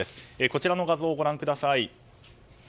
こちらの画像をご覧ください。